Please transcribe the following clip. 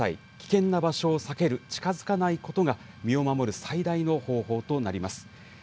危険な場所を避ける、近づかないことが身を守る最大の方法となります。